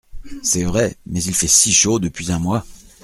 C’est vrai… mais il fait si chaud depuis un mois !